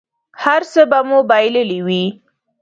هر څه به مو بایللي وي.